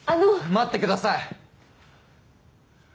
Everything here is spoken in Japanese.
待ってください！